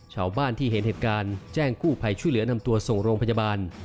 ชาวบ้านที่เห็นเหตุการณ์แจ้งกู้ภัยช่วยเหลือนำตัวส่งโรงพยาบาล